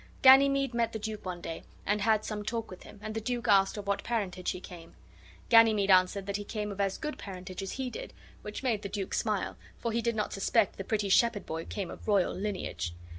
Ganymede met the duke one day, and had some talk with him, and the duke asked of what parentage he came. Ganymede answered that he came of as good parentage as he did, which made the duke smile, for he did not suspect the pretty shepherd boy came of royal lineage.